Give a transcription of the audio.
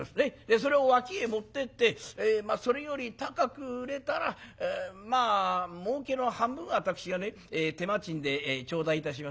それを脇へ持ってってそれより高く売れたら儲けの半分は私がね手間賃で頂戴いたします。